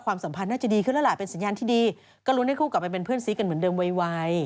ก็ลุ้นให้เขากลับไปเป็นเพื่อนสีกันเหมือนเดิมไว